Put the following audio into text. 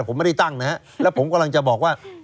ผมไม่ได้ตั้งนะฮะแล้วผมกำลังจะบอกว่า